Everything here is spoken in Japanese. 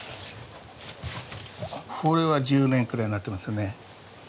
これは１０年くらいになってますよね。